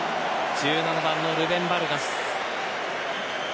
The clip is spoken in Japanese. １７番のルベン・ヴァルガス。